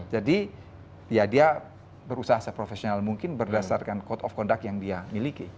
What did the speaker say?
jadi ya dia berusaha profesional mungkin berdasarkan code of conduct yang dia miliki